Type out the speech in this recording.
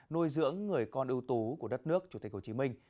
nuôi dưỡng người con ưu tú của đất nước chủ tịch hồ chí minh